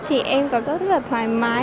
thì em cảm giác rất là thoải mái